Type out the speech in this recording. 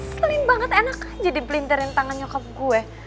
keselin banget enak aja dipintirin tangan nyokap gue